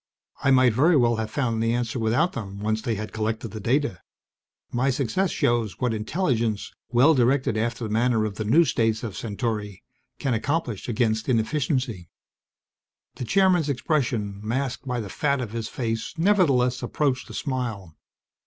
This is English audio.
I might very well have found the answer without them, once they had collected the data. My success shows what intelligence, well directed after the manner of the new states of Centauri, can accomplish against inefficiency." The Chairman's expression, masked by the fat of his face, nevertheless approached a smile.